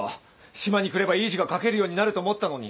島に来ればいい字が書けるようになると思ったのに。